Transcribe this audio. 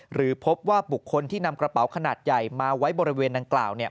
หรือพบว่าบุคคลที่นำกระเป๋าขนาดใหญ่มาไว้บริเวณดังกล่าว